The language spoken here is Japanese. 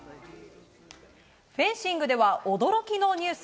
フェンシングでは驚きのニュース。